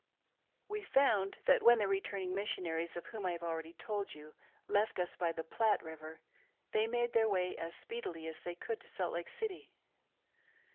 We found that when the returning missionaries, of whom I have already told you, left us by the Platte river, they made their way as speedily as they could to Salt Lake City.